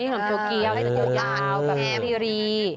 นี่ของโตเกียวแบบพิรี